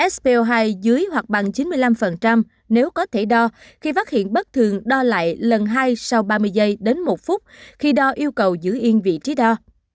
sp hai dưới hoặc bằng chín mươi năm nếu có thể đo khi phát hiện bất thường đo lại lần hai sau ba mươi giây đến một phút khi đo yêu cầu giữ yên vị trí đo